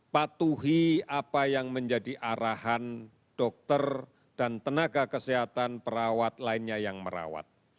patuhi apa yang menjadi arahan dokter dan tenaga kesehatan perawat lainnya yang merawat